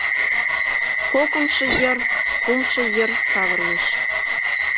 Кокымшо йыр, кумшо йыр савырныш...